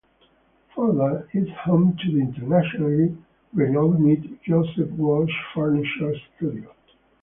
Fartha is home to the internationally renowned Joseph Walsh Furniture studio.